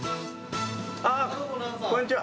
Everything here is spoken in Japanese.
あっ、こんにちは。